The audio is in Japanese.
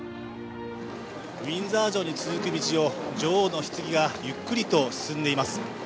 ウィンザー城に続く道を女王のひつぎがゆっくりと進んでいます。